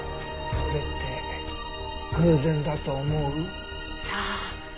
それって偶然だと思う？さあ。